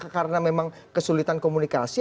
karena memang kesulitan komunikasi